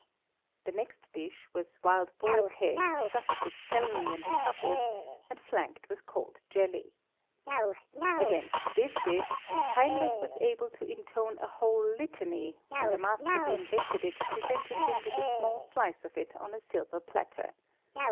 The next dish was wild boar's head stuffed with celery and truffles, and flanked with cold jelly. Against this dish Heinrich was able to intone a whole litany when the master who invented it presented him with a small slice of it on a silver platter.